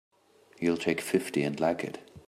You'll take fifty and like it!